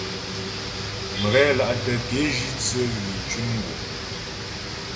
Mghɛla'tə ke jǐ tsə hwî cʉm guŋ.